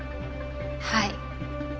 はい。